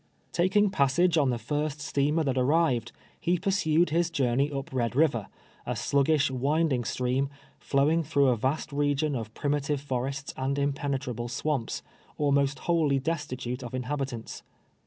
Taking passage on the first steamer that arrived, he pursued his journey up lied liiver, a sluggish, winding stream, flowing through a vast regi«)n of primitive forests and impenetrahle swamps, almost wholly destitute of inhahitants.